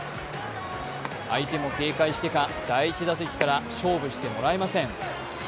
相手も警戒してか第１打席から勝負してもらえません。